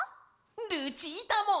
ルチータも！